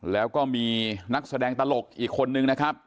แล้วก็มีนักแสดงตลกอีกคนนึงนะครับ